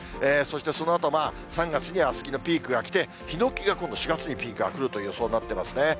そして、そのあとまあ、３月にはスギのピークが来て、ヒノキが今度、４月にピークが来るという予想になってますね。